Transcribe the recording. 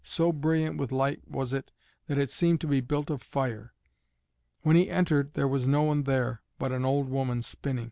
So brilliant with light was it that it seemed to be built of fire. When he entered there was no one there but an old woman spinning.